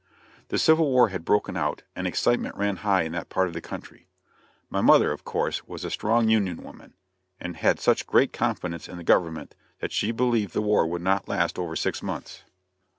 The civil war had broken out, and excitement ran high in that part of the country. My mother, of course, was a strong Union woman, and had such great confidence in the government that she believed the war would not last over six months.